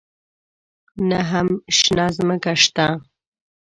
نه هم شنه ځمکه شته.